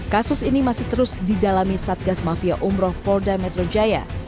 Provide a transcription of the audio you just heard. kasus ini masih terus didalami satgas mafia umroh polda metro jaya